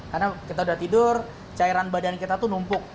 karena kita udah tidur cairan badan kita tuh numpuk